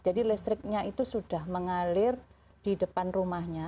jadi listriknya itu sudah mengalir di depan rumahnya